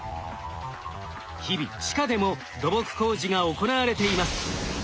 日々地下でも土木工事が行われています。